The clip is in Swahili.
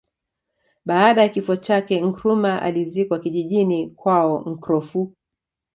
Baada ya kifo chake Nkrumah alizikwa kijijini kwao Nkrofu